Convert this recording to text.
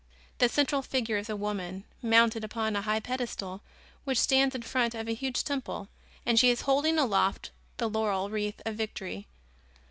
The central figure is a woman, mounted upon a high pedestal, which stands in front of a huge temple, and she is holding aloft the laurel wreath of victory.